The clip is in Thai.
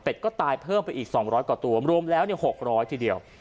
ก็ตายเพิ่มไปอีก๒๐๐กว่าตัวรวมแล้ว๖๐๐ทีเดียว